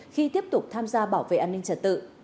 khi tiếp tục tham gia bảo vệ an ninh trật tự